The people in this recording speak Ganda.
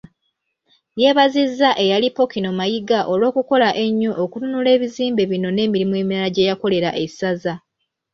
Yeebazizza eyali Ppookino Mayiga olwokukola ennyo okununula ebizimbe bino n'emirimu emirala gye yakolera essaza.